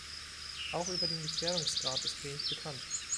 Auch über den Gefährdungsgrad ist wenig bekannt.